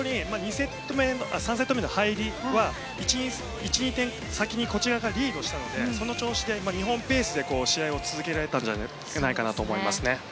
３セット目の入りは１、２点先にこちらがリードしたのでその調子で日本ペースで試合を続けられたと思います。